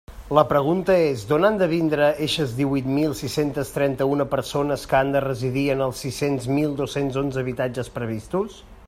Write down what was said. La pregunta és: ¿d'on han de vindre eixes díhuit mil sis-centes trenta-una persones que han de residir en els sis mil dos-cents onze habitatges previstos?